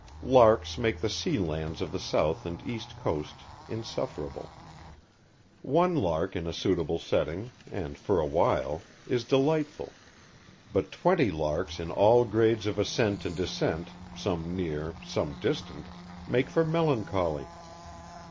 Larks make the sea lands of the south and east coasts insufferable. One lark in a suitable setting, and, for a while, is delightful, but twenty larks in all grades of ascent and descent, some near, some distant, make for melancholy.